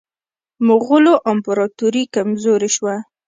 مغولو امپراطوري کمزورې شوه.